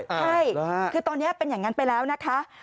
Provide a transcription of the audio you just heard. ใช่คือตอนนี้เป็นอย่างนั้นไปแล้วนะคะ